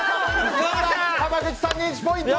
濱口さんに１ポイント！